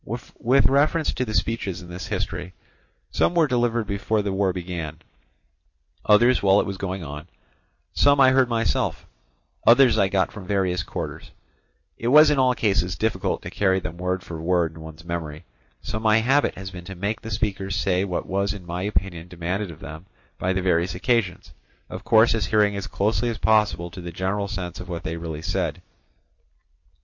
With reference to the speeches in this history, some were delivered before the war began, others while it was going on; some I heard myself, others I got from various quarters; it was in all cases difficult to carry them word for word in one's memory, so my habit has been to make the speakers say what was in my opinion demanded of them by the various occasions, of course adhering as closely as possible to the general sense of what they really said.